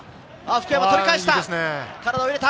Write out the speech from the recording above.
福山、取り返した。